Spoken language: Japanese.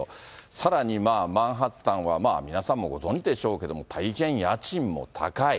さらにまあマンハッタンは、皆さんもご存じでしょうけども、大変家賃も高い。